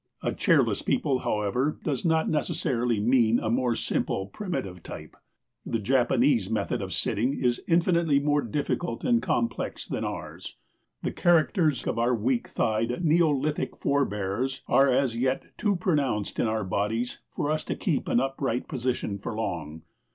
A chairless people, however, does not necessarily mean a more simple, primitive type. The Japanese method of sitting is infinitely more difficult and complex than ours. The characters of our weak thighed, neolithic forbears are as yet too pronounced in our own bodies for us to keep an upright position for long.